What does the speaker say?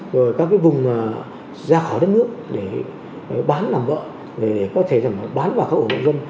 rồi các cái vùng ra khỏi đất nước để bán làm vợ để có thể bán vào các ổ dân